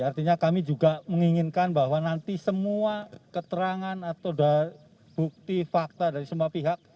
artinya kami juga menginginkan bahwa nanti semua keterangan atau bukti fakta dari semua pihak